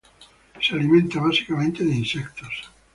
Se alimenta básicamente de insectos.